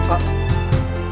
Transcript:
untuk selama lama